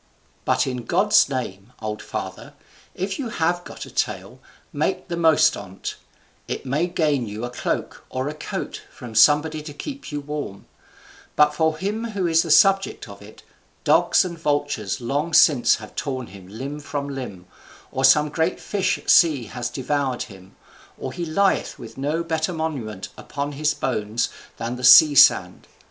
But in God's name, old father, if you have got a tale, make the most on't, it may gain you a cloak or a coat from somebody to keep you warm; but for him who is the subject of it, dogs and vultures long since have torn him limb from limb, or some great fish at sea has devoured him, or he lieth with no better monument upon his bones than the sea sand.